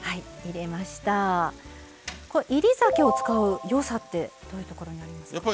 煎り酒を使うよさってどういうところなんですか？